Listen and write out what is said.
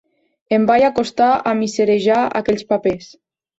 Em vaig acostar a misserejar aquells papers.